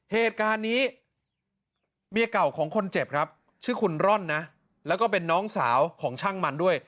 เหตุการณ์นี้เมียเก่าของคนเจ็บครับชื่อคุณร่อนนะแล้วก็เป็นน้องสาวของช่างมันด้วย